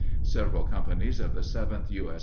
Several companies of the 7th U. S.